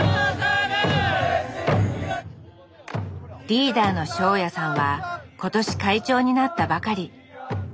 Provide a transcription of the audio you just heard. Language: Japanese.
リーダーの翔也さんは今年会長になったばかり。